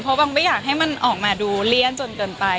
เพราะบางไม่อยากให้มันออกมาดูเลี่ยนจนเกินไป